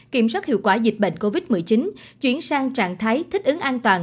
kiểm soát hiệu quả dịch bệnh covid một mươi chín chuyển sang trạng thái thích ứng an toàn